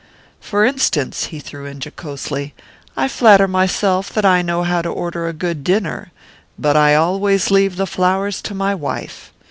For instance," he threw in jocosely, "I flatter myself that I know how to order a good dinner; but I always leave the flowers to my wife.